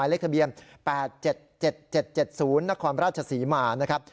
เลขทะเบียน๘๗๗๐นครราชศรีมานะครับ